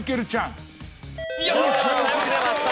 よく出ました